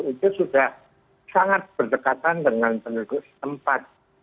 itu sudah sangat berdekatan dengan penelitian tempat